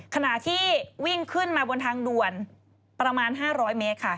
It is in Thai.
ขณะที่วิ่งขึ้นมาบนทางด่วนประมาณ๕๐๐เมตรค่ะ